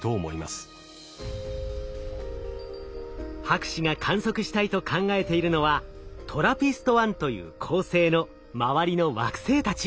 博士が観測したいと考えているのはトラピスト１という恒星の周りの惑星たち。